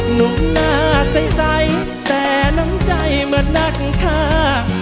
หนุ่มหน้าใสแต่น้ำใจเหมือนนักท่า